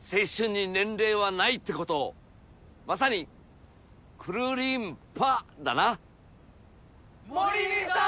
青春に年齢はないってことをまさにくるりんぱだな守見さーん！